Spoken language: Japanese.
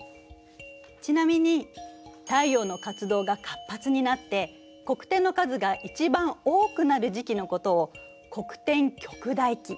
ちなみに太陽の活動が活発になって黒点の数が一番多くなる時期のことを黒点極大期。